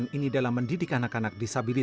terima dengan positif